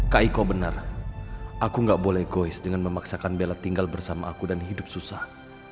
kak iko benar aku enggak boleh egois dengan memaksakan bella tinggal bersama aku dan hidup susah